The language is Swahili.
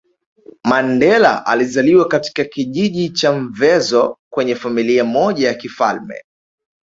Mandela alizaliwa katika kijiji cha Mvezo kwenye Familia moja ya kifalme